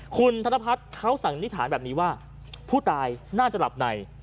คุณธนพัฒน์เขาสันนิษฐานแบบนี้ว่าผู้ตายน่าจะหลับใน